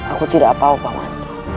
aku tidak apa apa pak man